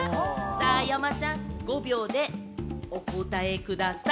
さぁ、山ちゃん５秒でお答えください。